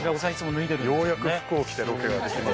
ようやく服を着てロケができます。